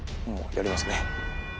やります！